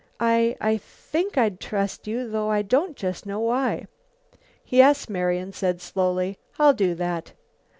I I think I'd trust you though I don't just know why." "Yes," Marian said slowly, "I'll do that."